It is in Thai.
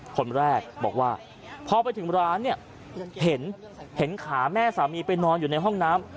คนแรกบอกว่าพอไปถึงร้านเนี่ยเห็นขาแม่สามีไปนอนอยู่ในห้องน้ำ